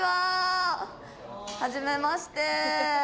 はじめまして。